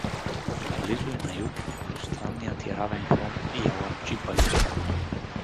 Наблизо и на юг е пространният и равен хълм Яланджи баир.